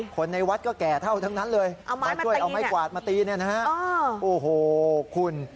คนในวัดก็แก่เท่าทั้งนั้นเลยมาช่วยเอาไม้กวาดมาตีเนี่ยนะฮะโอ้โหคุณ